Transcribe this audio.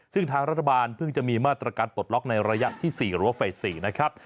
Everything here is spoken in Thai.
ซึ่งทางรัฐบาลเพิ่งจะมีมาตรการปลดล็อกในระยะที่๔หรือว่าเฟส๔นะครับ